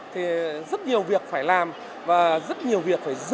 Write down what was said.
thì rất nhiều việc phải làm và rất nhiều việc phải giữ